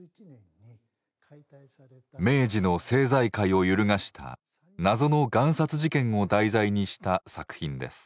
明治の政財界を揺るがした謎の贋札事件を題材にした作品です。